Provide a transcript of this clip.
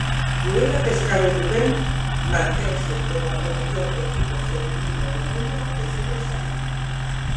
Burela Pescados Rubén mantense como o mellor equipo feminino do mundo de fútbol sala.